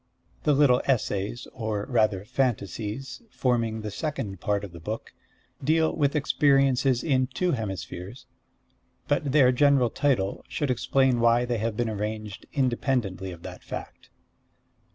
The little essays, or rather fantasies, forming the second part of the book, deal with experiences in two hemispheres; but their general title should explain why they have been arranged independently of that fact.